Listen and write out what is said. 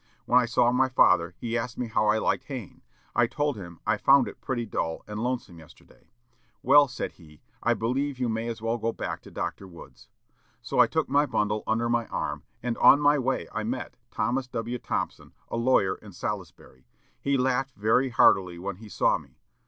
When I saw my father, he asked me how I liked haying. I told him I found it 'pretty dull and lonesome yesterday.' 'Well,' said he, 'I believe you may as well go back to Dr. Wood's.' So I took my bundle under my arm, and on my way I met Thomas W. Thompson, a lawyer in Salisbury; he laughed very heartily when he saw me.